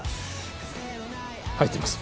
入ってます